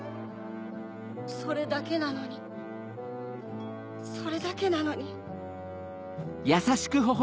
それだけなのにそれだけなのに。